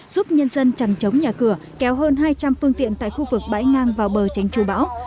giúp nhân dân chẳng chống nhà cửa kéo hơn hai trăm linh phương tiện tại khu vực bãi ngang vào bờ tránh trù bão